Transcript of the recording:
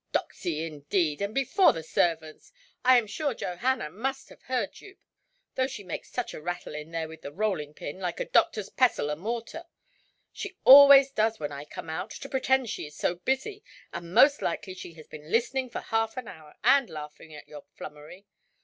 "Doxy, indeed! And before the servants! I am sure Johanna must have heard you, though she makes such a rattle in there with the rolling–pin, like a doctorʼs pestle and mortar. She always does when I come out, to pretend she is so busy; and most likely she has been listening for half an hour, and laughing at your flummery.